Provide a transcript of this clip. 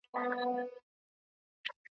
آیا ته د خپل هويت په اړه فکر کوې؟